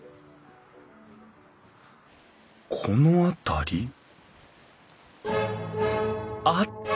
この辺り？あった！